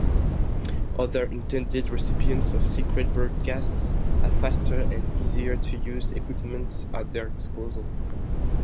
Other intended recipients of secret broadcasts have faster and easier-to-use equipment at their disposal.